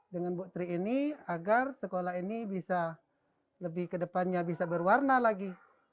dengan bu tri ini agar sekolah ini bisa lebih kedepannya bisa berwarna lagi